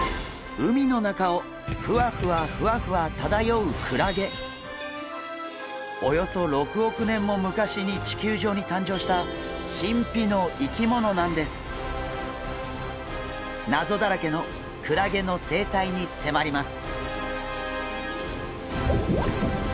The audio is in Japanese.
海の中をふわふわふわふわ漂うおよそ６億年も昔に地球上に誕生したなぞだらけのクラゲの生態にせまります。